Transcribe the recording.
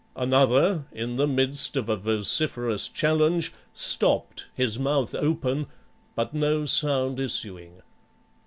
Another, in the midst of a vociferous challenge, stopped, his mouth open, but no sound issuing.